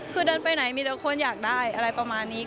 คือเดินไปไหนมีแต่คนอยากได้อะไรประมาณนี้